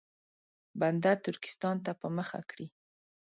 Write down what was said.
بنده ترکستان ته په مخه کړي.